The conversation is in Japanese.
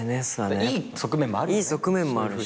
いい側面もあるし。